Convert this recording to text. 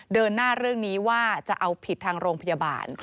เดินหน้าเรื่องนี้ว่าจะเอาผิดทางโรงพยาบาล